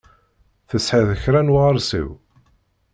Tesɛiḍ kra n uɣeṛsiw?